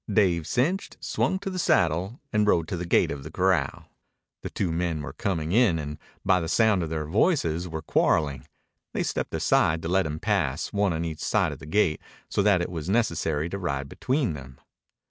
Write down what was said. Dave cinched, swung to the saddle, and rode to the gate of the corral. Two men were coming in, and by the sound of their voices were quarreling. They stepped aside to let him pass, one on each side of the gate, so that it was necessary to ride between them.